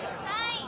はい！